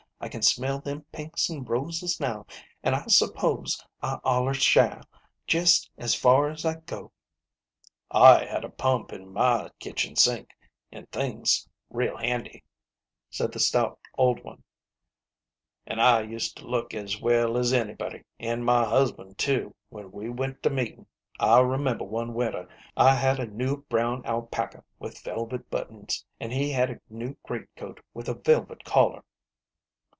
I can smell them pinks an' roses now, an' I s'pose I allers shall, jest as far as I go." "I had a pump in my kitchen sink, an' things real handy," said the stout old one; "an' I used to look as well as anybody, an' my husband too, when we went to meetin'. I remember one winter I had a new brown alpaca with velvet buttons, an' he had a new great coat with a velvet collar."